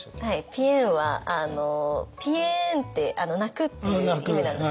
「ぴえん」はぴえんって泣くっていう意味なんですけど。